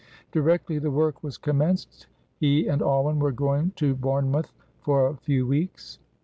Directly the work was commenced he and Alwyn were going to Bournemouth for a few weeks.